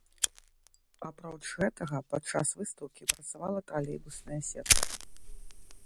Апроч гэтага падчас выстаўкі працавала тралейбусная сетка.